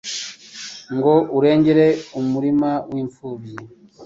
ngo urengere umurima w’imfubyi